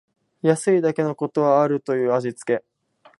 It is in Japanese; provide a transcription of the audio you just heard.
安いだけのことはあるという味つけ